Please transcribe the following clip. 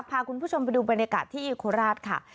พาคุณผู้ชมไปดูบรรยากาศที่โคราชค่ะ